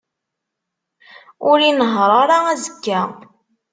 Ur inehheṛ ara azekka.